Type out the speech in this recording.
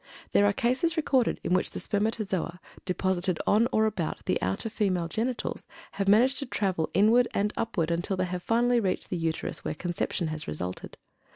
There are cases recorded in which the spermatozoa deposited on or about the outer female genitals have managed to travel inward and upward until they have finally reached the Uterus, where conception has resulted.